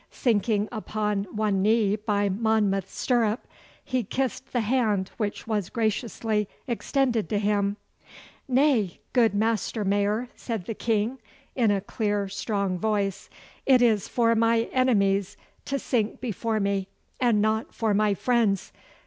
Sinking upon one knee by Monmouth's stirrup, he kissed the hand which was graciously extended to him. 'Nay, good Master Mayor,' said the King, in a clear, strong voice, 'it is for my enemies to sink before me, and not for my friends.